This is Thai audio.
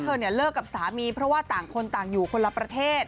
เลิกกับสามีเพราะว่าต่างคนต่างอยู่คนละประเทศ